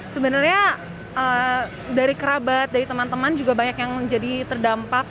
sebenarnya dari kerabat dari teman teman juga banyak yang jadi terdampak